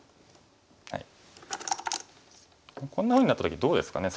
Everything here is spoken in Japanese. こんなふうになった時どうですかね